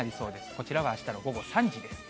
こちらはあしたの午後３時です。